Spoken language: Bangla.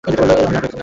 আমি ধরা পরে গেছি!